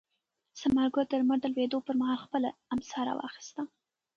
ثمر ګل د لمر د لوېدو پر مهال خپله امسا راواخیسته.